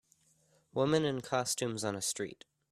Women in costumes on a street.